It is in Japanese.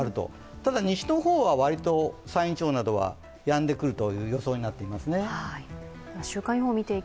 ただ、西の方は割と山陰地方などはやんでくる予想になっています。